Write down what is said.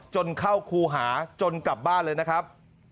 จนเข้าครูหาจนกลับบ้านเลยนะครับ